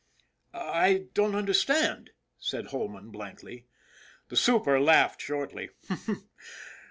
" I don't understand," said Holman blankly. The super laughed shortly.